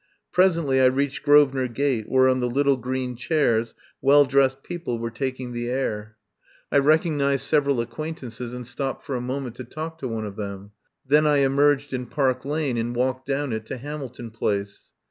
Presently I reached Grosvenor Gate, where on the little green chairs well dressed people were taking 174 I FIND SANCTUARY the air. I recognised several acquaintances and stopped for a moment to talk to one of them. Then I emerged in Park Lane and walked down it to Hamilton Place.